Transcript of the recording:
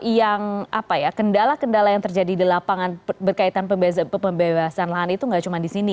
yang apa ya kendala kendala yang terjadi di lapangan berkaitan pembebasan lahan itu nggak cuma di sini